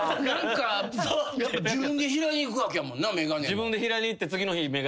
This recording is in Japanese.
自分で拾いに行くわけやもんな眼鏡。